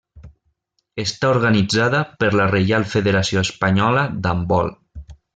Està organitzada per la Reial Federació Espanyola d'Handbol.